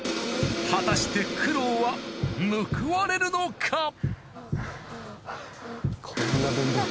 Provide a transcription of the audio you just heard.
果たして苦労は報われるのか！？